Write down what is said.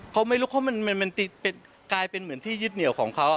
เขาไม่รู้เพราะมันกลายเป็นเหมือนที่ยึดเหนียวของเขา